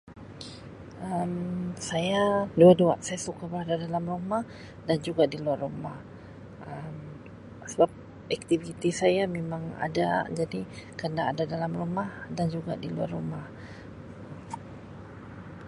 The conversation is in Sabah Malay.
Um Saya dua-dua, saya suka berada dalam rumah dan juga diluar rumah Um sebab aktiviti saya memang ada jadi kena ada dalam rumah dan juga di luar rumah.